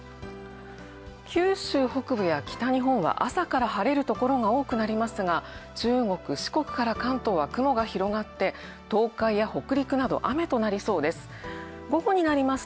九州北部や北日本は朝から晴れる所が多いですが、中国、四国から関東は雲が広がって東海や北陸など雨となりそうです。